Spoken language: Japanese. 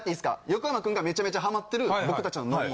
横山君がめちゃめちゃハマってる僕達のノリ。